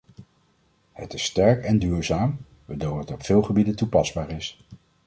Het is sterk en duurzaam, waardoor het op veel gebieden toepasbaar is.